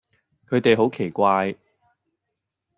佢哋好奇怪